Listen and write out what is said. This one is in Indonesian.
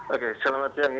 oke selamat siang